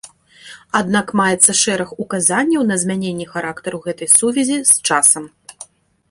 Аднак маецца шэраг указанняў на змяненне характару гэтай сувязі з часам.